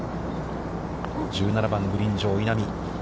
１７番、グリーン上の稲見。